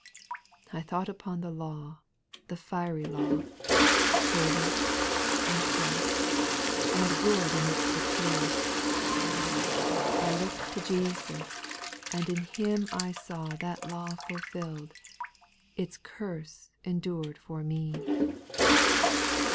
2. I thought upon the law, the fiery law, Holy, and just, and good in its decree ; I look'd to Jesus, and in Him I saw That law fulfilled, its curse endured for me.